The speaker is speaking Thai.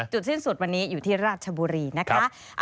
สิ้นสุดวันนี้อยู่ที่ราชบุรีนะคะ